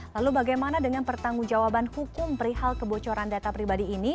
lalu bagaimana dengan pertanggung jawaban hukum perihal kebocoran data pribadi ini